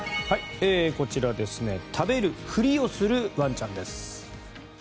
こちら、食べるふりをするワンちゃんです。